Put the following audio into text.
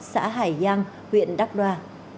xã hải giang huyện đắk đoa